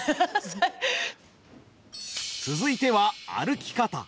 続いては歩き方。